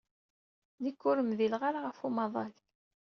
Nekk ur mdileɣ ara ɣef umaḍal.